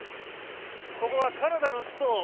ここはカナダの首都